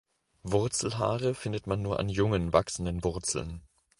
Wurzelhaare findet man nur an jungen, wachsenden Wurzeln.